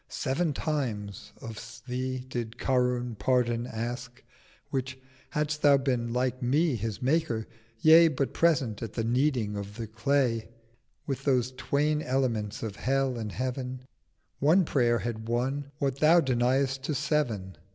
'Sev'n times of Thee did Karun Pardon ask; 680 Which, hadst thou been like Me his Maker—yea, But present at the Kneading of his Clay With those twain Elements of Hell and Heav'n,— One prayer had won what Thou deny'st to Sev'n.'